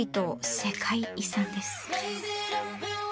世界遺産です！